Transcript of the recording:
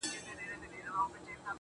ما له یوې هم یوه ښه خاطره و نه لیده.